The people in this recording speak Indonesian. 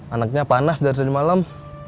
anaknya panas dari tadi malam